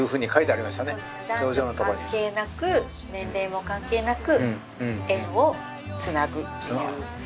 男女関係なく年齢も関係なく縁をつなぐっていう。